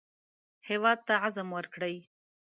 هېواد ته عزم ورکړئ